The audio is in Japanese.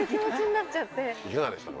いかがでしたか？